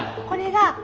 これが。